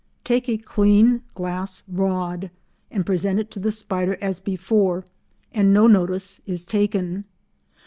Take a clean glass rod and present it to the spider as before, and no notice is taken.